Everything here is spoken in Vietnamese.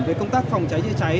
với công tác phòng cháy chết cháy